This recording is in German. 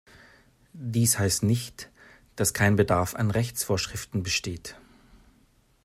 Dies heißt nicht, dass kein Bedarf an Rechtsvorschriften besteht.